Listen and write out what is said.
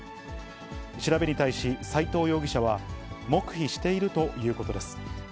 調べに対し斎藤容疑者は、黙秘しているということです。